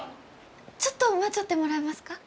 ちょっと待ちよってもらえますか？